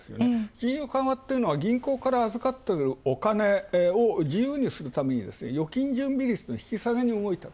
金融緩和って言うのは、銀行から預かっているお金を自由にするために、預金準備率の引き下げに動いたと。